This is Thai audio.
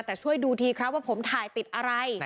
แต่ช่วยดูทีครับว่าผมถ่ายติดอะไร